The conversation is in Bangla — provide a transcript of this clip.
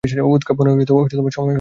উৎক্ষেপণের সময় হয়ে এসেছে।